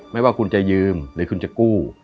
ไม่ว่าคุณจะยืมหรือคุณจะกู้